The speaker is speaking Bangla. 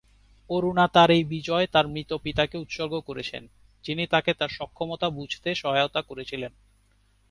অরুণা তার এই বিজয় তার মৃত পিতাকে উৎসর্গ করেছেন, যিনি তাকে তার সক্ষমতা বুঝতে সহায়তা করেছিলেন।